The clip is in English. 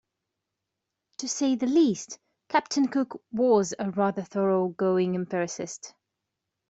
To say the least, Captain Cook was a rather thorough going empiricist.